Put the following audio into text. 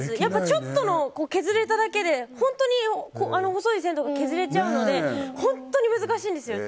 ちょっと削れただけで本当に細い線とかが削れちゃうので本当に難しいんですよ。